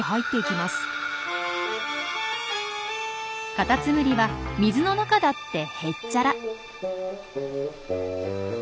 カタツムリは水の中だってへっちゃら。